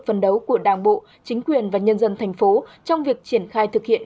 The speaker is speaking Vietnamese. phân đấu của đảng bộ chính quyền và nhân dân thành phố trong việc triển khai thực hiện